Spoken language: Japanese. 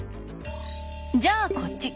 じゃあこっち